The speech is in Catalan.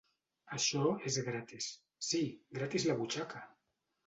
Això és gratis. —Sí, grati's la butxaca!